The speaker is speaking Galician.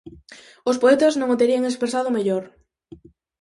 Os poetas non o terían expresado mellor.